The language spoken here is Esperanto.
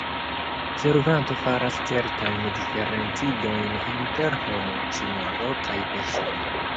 Servanto faras certajn diferencigojn inter « homo »,« sinjoro » kaj « persono ».